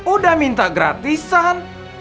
udah minta gratisan